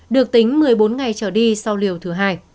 được tính một mươi bốn ngày trở đi sau liều thứ hai